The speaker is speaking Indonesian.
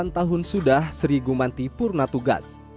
delapan tahun sudah sri gumanti purna tugas